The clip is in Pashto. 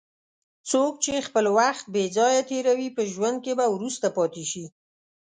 څوک چې خپل وخت بې ځایه تېروي، په ژوند کې به وروسته پاتې شي.